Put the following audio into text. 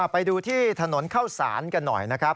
ไปดูที่ถนนเข้าศาลกันหน่อยนะครับ